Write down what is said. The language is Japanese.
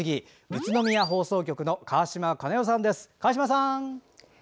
宇都宮放送局の川島加奈代さんです、川島さん。